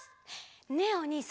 ねえおにいさん。